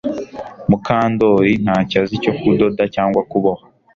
Mukandoli ntacyo azi cyo kudoda cyangwa kuboha